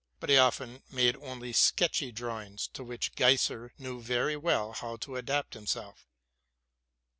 But he often made only very sketchy drawings, to which Geyser knew very well how to adapt himself.